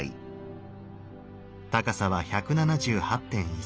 高さは１７８．１ｃｍ。